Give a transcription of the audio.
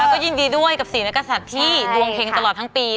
แล้วก็ยินดีด้วยกับ๔นักศัตริย์ที่ดวงเห็งตลอดทั้งปี